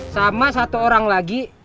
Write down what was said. sama satu orang lagi